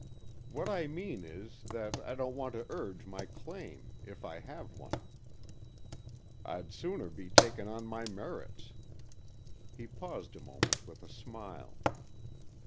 "What I mean is, that I don't want to urge my claim, if I have one. I'd sooner be taken on my merits." He paused a moment with a smile.